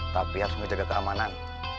tapi harus menjaga keamanan